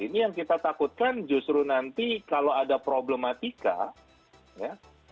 ini yang kita takutkan justru nanti kalau ada problematika ya